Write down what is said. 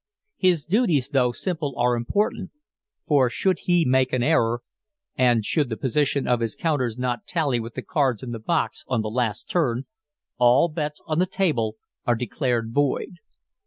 His duties, though simple, are important, for should he make an error, and should the position of his counters not tally with the cards in the box on the "last turn," all bets on the table are declared void.